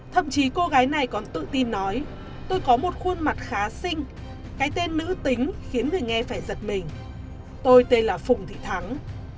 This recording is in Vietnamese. thậm chí cô gái này còn tự tin nói tôi có một khuôn mặt khá sinh cái tên nữ tính khiến người nghe phải giật mình tôi tên là phùng thị thắng